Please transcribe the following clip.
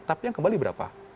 tapi yang kembali berapa